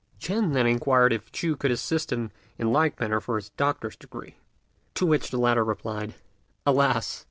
Ch'ên then inquired if Ch'u could assist him in like manner for his doctor's degree; to which the latter replied, "Alas!